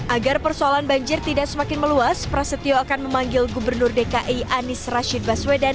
agar persoalan banjir tidak semakin meluas prasetyo akan memanggil gubernur dki anies rashid baswedan